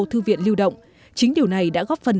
thư viện lưu động chính điều này đã góp phần